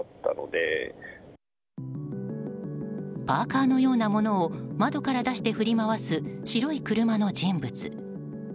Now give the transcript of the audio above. パーカのようなものを窓から振り回す白い車の人物。